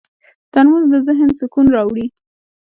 ترموز د ذهن سکون راوړي.